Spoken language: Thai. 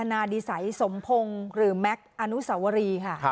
นาดิสัยสมพงศ์หรือแม็กซ์อนุสวรีค่ะ